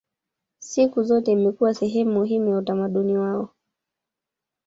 Siku zote imekuwa sehemu muhimu ya utamaduni wao